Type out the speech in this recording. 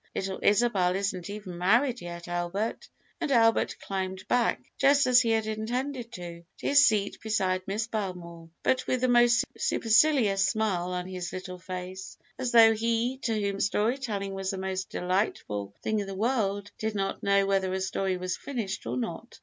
Little Isabel isn't even married yet, Albert;" and Albert climbed back, just as he had intended to do, to his seat beside Miss Belmore, but with the most supercilious smile on his little face, as though he, to whom story telling was the most delightful thing in the world, did not know whether a story was finished or not.